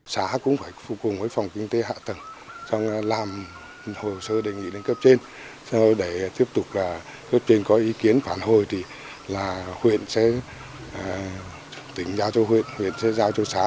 xong làm hồ sơ đề nghị lên cấp trên xong rồi để tiếp tục là cấp trên có ý kiến phản hồi thì là huyện sẽ tỉnh giao cho huyện huyện sẽ giao cho xã